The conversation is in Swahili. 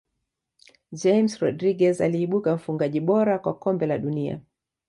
james rodriguez aliibuka mfungaji bora wa kombe la dunia